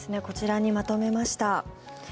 こちらにまとめました。